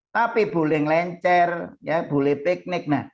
tapi boleh lencer boleh teknik